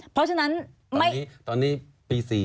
เพราะฉะนั้นตอนนี้ปี๔